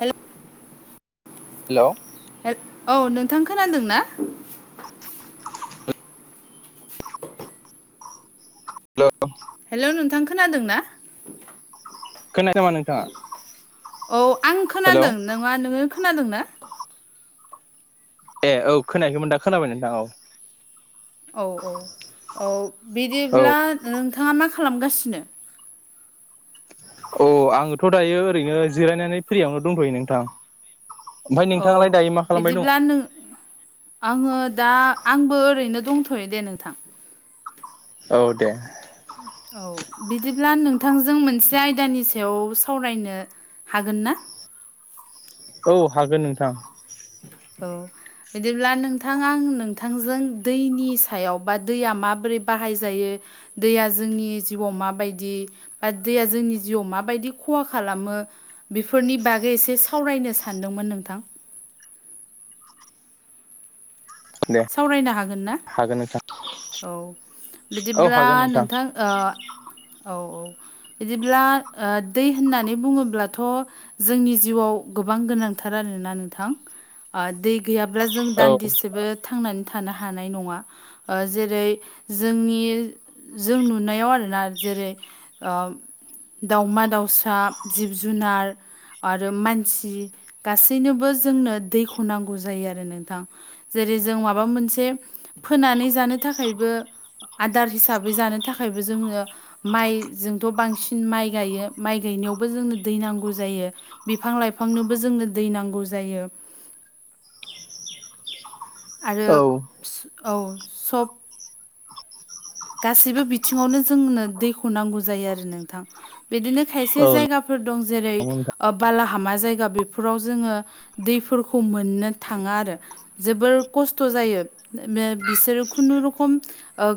Hello hello औ नोंथां खोनादों ना? हेलौ हेलौ नोंथां खोनादों ना? खोनायाखै नामा नोंथाङा औ आं हेलौ खोनादों नोंङा नोङो खोनादों ना? ए औ खोनायाखैमोन दा खोनाबाय नोंथां औ। औ औ औ औ बिदिब्ला नोंथाङा मा खालामगासिनो? अ आङोथ' दायो ओरैनो जिरायनानै फ्रियावनो दंथ'यो नोंथां। ओमफ्राय नोंथाङालाय दायो मा खालामबाय दं? आनो आङो दा आंबो ओरैनो दंथ'यो दे नोंथां। औ दे। औ बिदिब्ला नोंथांजों मोनसे आयदानि सायाव सावरायनो हागोन ना? औ हागोन नोंथां। औ बिदिब्ला नोंथां आं नोंथांजों दैनि सायाव बा दैया माबोरै बाहायजायो। दैया जोंनि जिउआव माबायदि बा दैया जोंनि जिउआव माबायदि खहा खालामो। बेफोरनि बागै एसे सावरायनो सानदोंमोन नोंथां। दे सावरायनो हागोन ना? हागोन नोंथां। औ औ बिदिब्ला हागोन नोंथां ओ औ औ। बिदिब्ला ओ दै होननानै बुङोब्लाथ' जोंनि जिउआव गोबां गोनांथार आरोना नोंथां ओ दै गैयाब्ला जों औ दान्दिसेबो थांनानै थानो हानाय नङा। जेरै जोंनि जों नुनायाव आरोना जेरै दाउमा दाउसा जिब जुनार आरो मानसि गासैनोबो जोंनो दैखौ नांगौ जायो आरो नोंथां। जेरै जों माबा मोनसे फोनानै जानो थाखायबो आदार हिसाबै जानो थाखायबो जोङो माइ जोंथ' बांसिन माइ गायो माइ गायनायावबो जोंनो दै नांगौ जायो। बिफां लाइफांनोबो जोंनो दै नांगौ जायो। आरो औ फिस औ सब गासैबो बिथिङावनो जोंनो दैखौ नांगौ जायो आरो नोंथां बिदिनो खायसे औ जायगा फोर दं जेरै नंगौ नोंथां बालाहामा जायगा बेफोराव जोङो दैफोरखौ मोननो थाङा आरो। जोबोर खस्थ' जायो बिसोरो खुनुरुखुम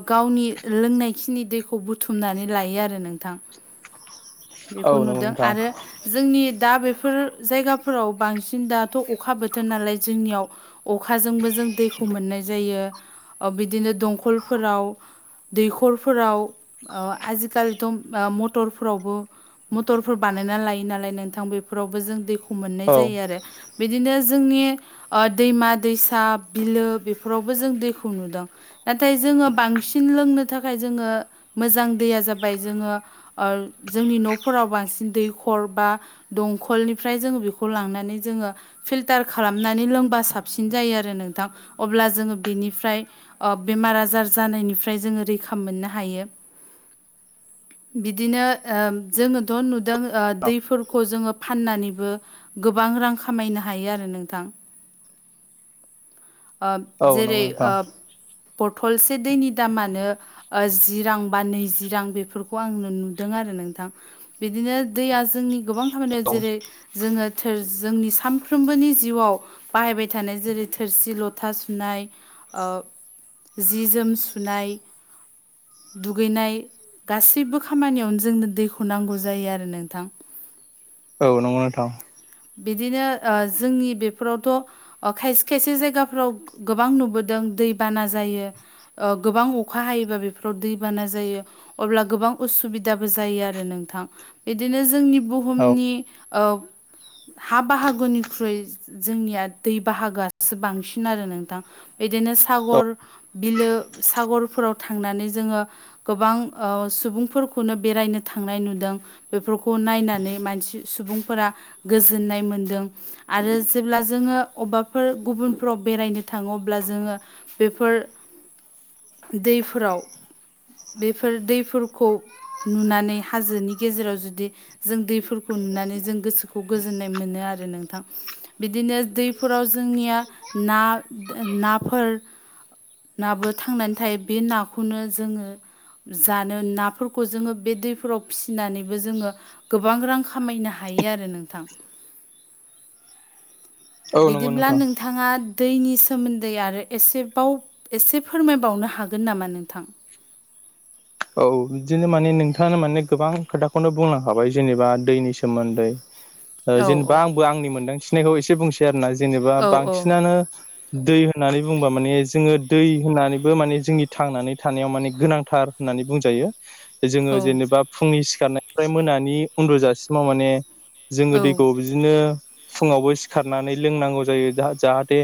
गावनि लोंनायखिनि दैखौ बुथुमनानै लायो आरो नोंथां। औ बेखौ नंगौ नुदों नोंथां आरो जोंनि दा बेफोर जायगाफोराव बांसिन दाथ' अखा बोथोर नालाय जोंनियाव अखाजोंबो जों दैखौ मोननाय जायो बिदिनो दंखलफोराव दैखरफोराव आजिखालिथ' मटरफोरावबो मटरफोर बानायना लायो नालाय नोंथां बेफोरावबो जों दैखौ मोननाय जायो आरो। बिदिनो जोंनि दैमा दैसा बिलो बेफोरावबो जों दैखौ नुदों। नाथाय जोङो बांसिन लोंनो थाखाय जोङो मोजां दैया जाबाय जोङो ओ जोंनि न'फोराव बांसिन दैखर बा दंखलनिफ्राय जोङो बेखौ लांनानै जोङो फिल्टार खालामनानै लोंबा साबसिन जायो आरो नोंथां अब्ला जोङो बेनिफ्राय ओ बेमार आजार जानायनिफ्राय जोङो रैखा मोननो हायो। बिदिनो उम जोङोथ' नुदों ओ दैफोरखौ जोङो फाननानैबो गोबां रां खामायनो हायो आरो नोंथां। ओब औ औ नंगौ जेरै ओब नोंथां बथलसे दैनि दामानो ओ जि रां बा नैजि रां बेफोरखौ आंनो नुदों आरो नोंथां। बिदिनो दैया जोंनि गोबां खामानियाव जेरै जोङो थोर जोंनि सामफ्रोमबोनि जिउआव बाहायबाय थानाय जेरै थोरसि ल'था सुनाय ओ जि जोम सुनाय दुगैनाय गासिब्बो खामानियावनो जोंनो दैखौ नांगौ जायो आरो नोंथां। औ नोंगौ नोंथां। बिदिनो ओ जोंनि बेफोरावथ' ओ खायसे खायसे जायगाफ्राव गोबां नुबोदों दैबाना जायो। ओ गोबां अखा हायोबा बेफोराव दैबाना जायो। अब्ला गोबां उसुबिदाबो जायो आरो नोंथां बिदिनो जोंनि बु औ हुमनि ओ हा बाहागोनिख्रुइ जोंनिया दै बाहागोआसो बांसिन आरो नोंथां। बिदिनो सागर बिलो सागरफोराव थांनानै जोङो गोबां ओ सुबुंफोरखौनो बेरायनो थांनाय नुदों। बेफरखौ नायनानै मानसि सुबुंफोरा गोजोननाय मोनदों। आरो जेब्ला जोङो अब्बाफोर गुबुनफोराव बेरायनो थाङो अब्ला जोङो बेफोर दैफोराव बेफोर दैफोरखौ नुनानै हाजोनि गेजेराव जुदि जों दैफोरखौ नुनानै जों गोसोखौ खौ गोजोननाय मोनो आरो नोंथां। बिदिनो दैफोराव जोंनिया ना नाफोर नाबो थांनानै थायो बे नाखौनो जोङो जानो नाफोरखौ जोङो बे दैफोराव फिसिनानैबो जोङो गोबां रां खामायनो हायो आरो नों थां [inaudible] औ औ नंगौ बिदिब्ला नोंथां नोंथाङा दैनि सोमोन्दै आरो एसेबाव एसे फोरमायबावनो हागोन नामा नोंथां? औ बिदिनो माने नोंथाङा माने गोबां खोथाखौनो बुंलांखाबाय जेनेबा दैनि सोमोन्दै। ओ औ जेनेबा औ आंबो आंनि मोनदांथिनायखौ एसे बुंसै आरोना जेनेबा औ औ बांसिनानो दै होननानै बुंबा माने जोङो दै होननानैबो माने जोंनि थांनानै थानायाव माने गोनांथार होननानै बुंजायो। जोङो औ जेनेबा फुंनि सिखारनायनिफ्राय मोनानि उन्दुजासिमाव माने जोङो औ दैखौ बिदिनो फुङावबो सिखारनानै लोंनांगौ जायो जा-जाहाथे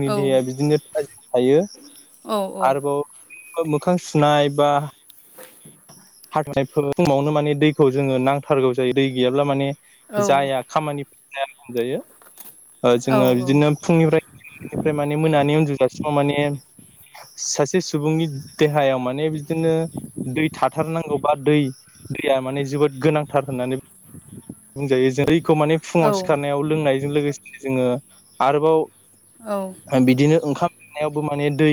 औ देहाया बिदिनो थाजिम थायो औ आरोबाव ओ मोखां सुनाय बा [unintelligible] [unintelligible] समावनो माने दैखौ जोङो नांथारगौ जायो दै गैयाब्ला माने जाया खामानि [inaudible] जाया होनजायो ओ जोङो बिदिनो फुंनिफ्राय [inaudible] माने मोनानि उन्दुजासिमाव माने सासे सुबुंनि देहायाव माने बिदिनो दै थाथारनांगौ बा दै दैया माने जोबोद गोनांथार होननानै बुंजायो जों दैखौ माने फुङाव सिखारनायाव लोंनायजों लोगोसे जोङो आरोबाव औ। बिदिनो ओंखाम जानायावबो माने दै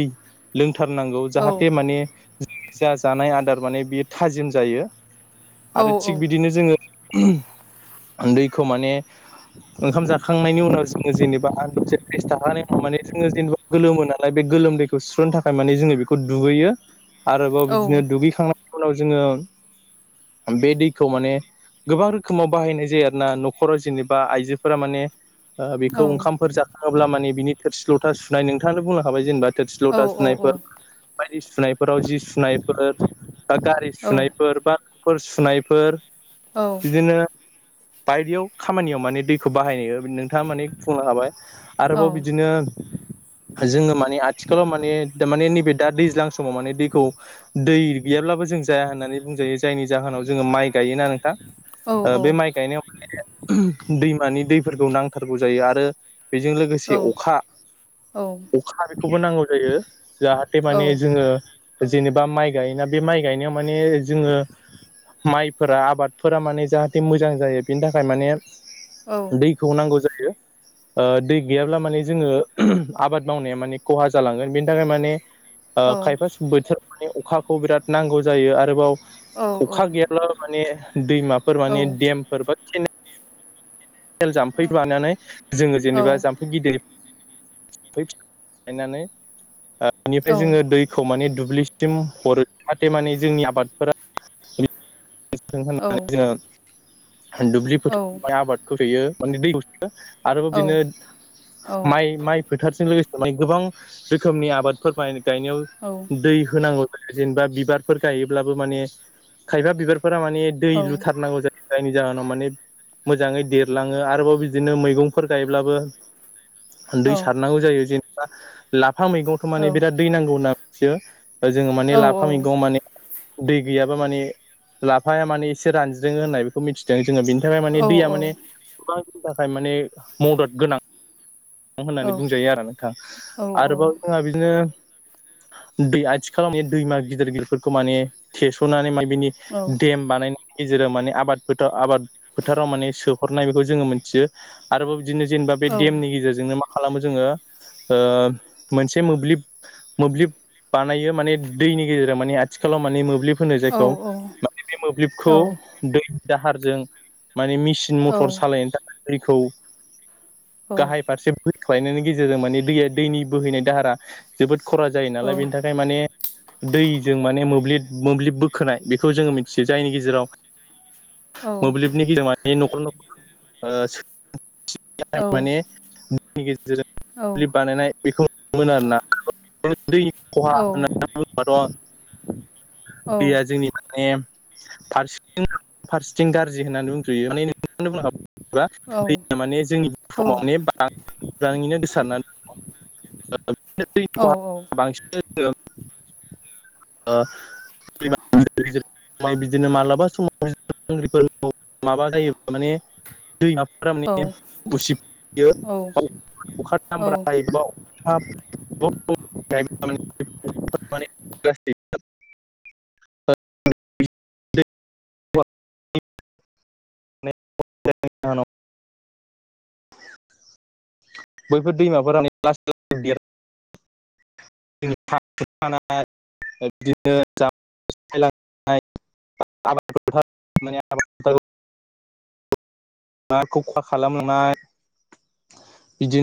लोंथारनांगौ जाहाथे माने जा जानाय आदार माने बियो थाजिम जायो औ आरो थिग बिदिनो जोङो [unintelligible] उम दैखौ माने ओंखाम जाखांनायनि उनाव जोङो जेनेबा [unintelligible] थाखानि उनाव माने जोङो जेनेबा गोलोमो नालाय बे गोलोमदैखौ सुस्रनो थाखाय माने जोङो बेखौ दुगैयो। आरोबाव बिदिनो दुगैखांना उनाव जोङो बे दैखौ माने गोबां रोखो खोमाव बाहायनाय जायो आरो ना न'खराव जेनेबा आइजोफोरा माने ओ बेखौ ओंखामफोर जा होब्ला माने बिनि थोरसि लथा सुनाय नोंथाङानो बुंलांखाबाय जेनेबा थोरसि लथा सुनायफोर बायदि सुनायफोराव जि सुनायफोर दा गारि सुनायफोर बाफोर सुनायफोर औ बिदिनो बायदियाव खामानियाव माने दैखौ बाहायो नोंथाङा मानि बुंलांखाबाय आरोबाव बिदिनो जोङो माने आथिखालाव माने माने नैबे दा दैज्लां समाव माने दैखौ दै गैयाब्लाबो जों जाया होननानै बुंजायो जायनि जाहोनाव जोङो माइ गायोना नोंथां ओ बे माइ गायनायाव माने दैमानि दैफोरखौ नांथारगौ जायो आरो बेजों लोगोसे अखा अखा बेखौबो नांगौ जायो जाहाथे माने जोङो जेनेबा माइ गायोना बे माइ गायनायाव माने जोङो माइफोरा आबाद फोरा माने जाहाथे मोजां जायो बेनि थाखाय माने दैखौ नांगौ जायो दै गैयाब्ला माने जोङो आबाद मावनाया माने खहा जालांगोन बेनि थाखाय माने ओ खायफा स बोथोरावहाय अखाखौ बिराद नांगौ जायो आरोबाव अखा गैयाब्लाबो माने दैमाफोर माने देमफोर बा केने ल जाम्फै बानानै जोङो जेनेबा जामफै गिदिर [unintelligible] बेनिफ्राय जोङो दै खौ माने दुब्लिसिम हरो जाहाथे माने जोंनि आबादफोरा [unintelligible] होननानै जोङो दुब्लि फोथार आबाद होफैयो माने दैयो आरोबाव बिदिनो माइ माइ फोथारजों लोगोसे माने गोबां रोखोमनि आबादफोर माने गायनायाव दै होनांगौ जेनेबा बिबारफोर गायोब्लाबो माने खायफा बिबारफोरा माने दै लुथारनांगौ जायो जायनि जाहोनाव माने मोजाङै देरलाङो आरोबाव बिदिनो मैगंफोर गायब्लाबो दै सारनांगौ जायो जे लाफा मैगंथ' माने बिराद दै नांगौ होनना मिथियो जोङो माने लाफा मैगंआव माने दै गैयाबा माने लाफाया माने एसे रानज्रिङो होननाय मिथिदों जोङो बेनि थाखाय माने दैया माने गोबांनि थाखाय माने मदद गोनां होननानै बुंजायो आरो नोंथां आरोबाव जोंहा बिदिनो दै आथिखालाव माने दैमा गिदिर गिदिरफोरखौ माने थेस'नानै माने बिनि देम बानायनानै गेजेराव माने आबाद फोथार आबाद फोथाराव माने सोहरनाय बेखौ जोङो मोनथियो आरोबाव बिदिनो जेनेबा बे देमनि गेजेरजों नो मा खालामो जोङो मोनसे मोब्लिब मोब्लिब बानायो माने दैनि गेजेरजों मानि आखाथिखालाव माने मोब्लिब होनो जायखौ माने बे मोब्लिबखौ दैनि दाहारजों माने मेसिन मथर सालायनो थाखाय दैखौ औ औ औ गाहाय फारसे बोहैख्लायनायनि गेजेरजों माने दैया दैनि बोहैनाय दाहारा जोबोद खरा जायो औ नालाय बेनि थाखाय थाखाय माने दैजों माने मोब्लिब मोब्लिब बोखोनाय बेखौ जोङो मिथियो जायनि गेजेराव मोब्लिबनि [unintelligible] मानि नखर नखर ओ औ [unintelligible] माने [unintelligible] नि औ गेजेरजों बानायनाय बेखौ नुनो मोनो आरोना दैनि खहा औ होननानै बुङोबाथ' औ दैया जोंनि माने फारसेथिं फारसेथिं गारजि होननानै उनदुयो माने [unintelligible] औ दैया माने जोंनि समाव माने बां [unintelligible] गोसारनानै दं [unintelligible] ओ [unintelligible] बिदिनो मालाबा समाव [unintelligible] माने दैमाफोरा माने औ [unintelligible] अखा औ दामब्रा औ हायो [unintelligible] [unintelligible] बैफोर दैमाफोर [unintelligible] [unintelligible] [unintelligible] माने [unintelligible] [unintelligible] बिदिनो